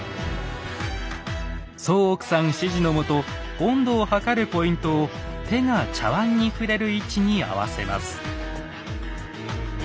宗屋さん指示のもと温度を測るポイントを手が茶碗に触れる位置に合わせます。